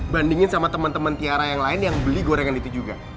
bandingin sama teman teman tiara yang lain yang beli gorengan itu juga